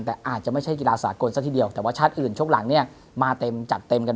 แต่อาจจะไม่ใช่กีฬาศาสตร์กรสักทีเดียวแต่ชาติอื่นชกหลังมาเต็มจัดเต็มกัน